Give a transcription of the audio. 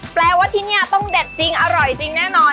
แปลว่าที่นี่ต้องเด็ดจริงอร่อยจริงแน่นอน